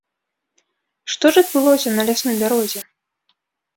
Што ж адбылося на лясной дарозе?